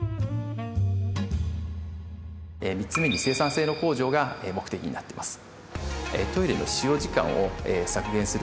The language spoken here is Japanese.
３つ目に生産性の向上が目的になっています。